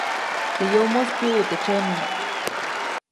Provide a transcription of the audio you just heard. Teʼ yomoʼis pyuʼu teʼ tsyami.